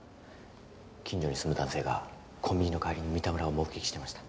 近所に住む男性がコンビニの帰りに三田村を目撃してました。